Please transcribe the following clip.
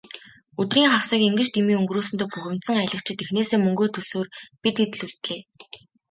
Өдрийн хагасыг ингэж дэмий өнгөрөөсөндөө бухимдсан аялагчид эхнээсээ мөнгөө төлсөөр, бид хэд л үлдлээ.